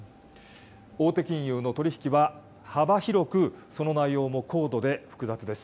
大手金融の取り引きは幅広く、その内容も高度で複雑です。